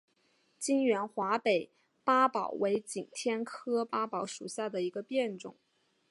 全缘华北八宝为景天科八宝属下的一个变种。